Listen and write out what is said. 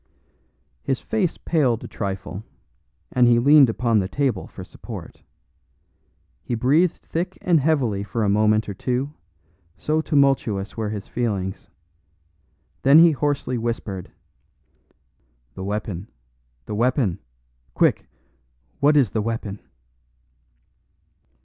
His face paled a trifle, and he leaned upon the table for support. He breathed thick and heavily for a moment or two, so tumultuous were his feelings; then he hoarsely whispered: "The weapon, the weapon! Quick! what is the weapon?"